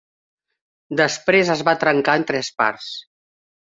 Després es va trencar en tres parts.